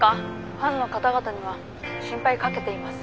ファンの方々には心配かけています。